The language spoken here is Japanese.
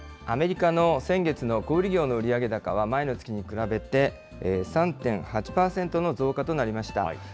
アメリカの先月の小売り業の売上高は前の月に比べて、３．８％の増加となりました。